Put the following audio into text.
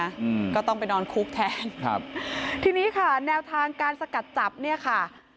อืมก็ต้องไปนอนคุกแทนครับทีนี้ค่ะแนวทางการสกัดจับเนี้ยค่ะ